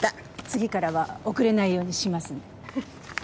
次からは遅れないようにします。